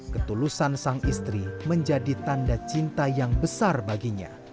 ketulusan sang istri menjadi tanda cinta yang besar baginya